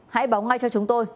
hãy báo ngay cho chúng tôi